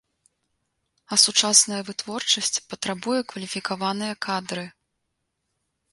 А сучасная вытворчасць патрабуе кваліфікаваныя кадры.